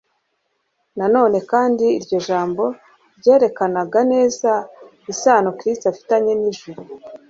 Na none kandi iryo jambo ryerekanaga neza isano Kristo afitanye n'ijuru.